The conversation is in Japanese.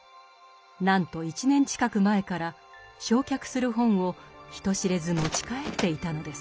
なんと１年近く前から焼却する本を人知れず持ち帰っていたのです。